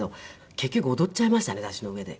結局踊っちゃいましたね山車の上で。